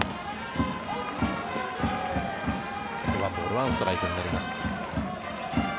これで１ボール１ストライクになります。